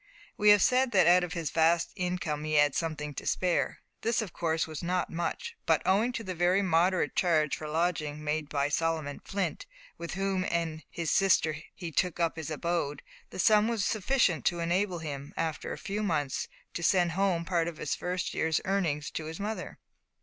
We have said that out of his vast income he had something to spare. This, of course, was not much, but owing to the very moderate charge for lodging made by Solomon Flint with whom and his sister he took up his abode the sum was sufficient to enable him, after a few months, to send home part of his first year's earnings to his mother.